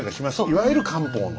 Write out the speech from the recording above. いわゆる漢方の。